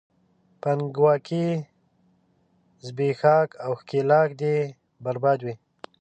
پانګواکي، زبېښاک او ښکېلاک دې برباد وي!